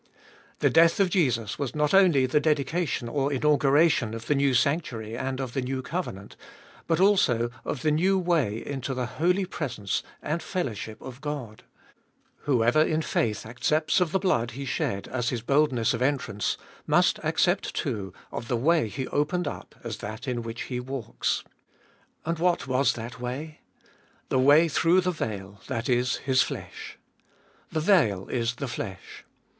The death of Jesus was not only the dedication or inauguration of the new sanctuary and of the new covenant, but also of the new way into the holy presence and fellowship of 362 Ebe iboliest of 2UI God. Whoever in faith accepts of the blood He shed as His boldness of entrance, must accept, too, of the way He opened up as that In which he walks. And what was that way? The way through the veil, that is, His flesh. The veil is the flesh.